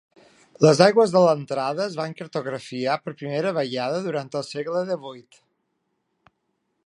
Les aigües de l'entrada es van cartografiar per primera vegada durant el segle XVIII.